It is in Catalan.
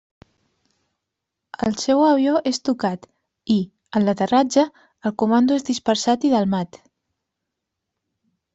El seu avió és tocat, i, en l'aterratge, el comando és dispersat i delmat.